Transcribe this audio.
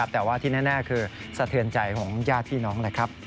แต่ว่าที่แน่คือสะเทือนใจของญาติพี่น้องนะครับ